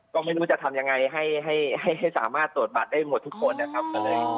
ก็ไม่รู้จะทำยังไงให้สามารถตรวจบัตรได้หมดทุกคนนะครับ